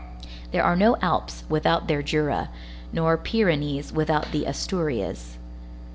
There are no Alps without their Jura, nor Pyrenees without the Asturias.